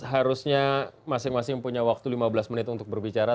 harusnya masing masing punya waktu lima belas menit untuk berbicara